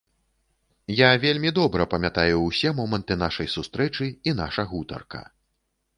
Я вельмі добра памятаю ўсе моманты нашай сустрэчы і наша гутарка.